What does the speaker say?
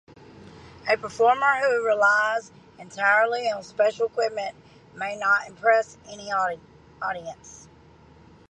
A performer who relies entirely on special equipment may not impress an audience.